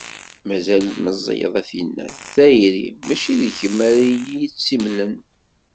Mazal meẓẓiyeḍ a tinnat, tayri, mačči d kemm ara iyi-tt-yemmlen.